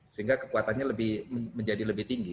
sehingga kekuatannya menjadi lebih tinggi